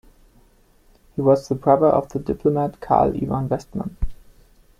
He was the brother of the diplomat Karl Ivan Westman.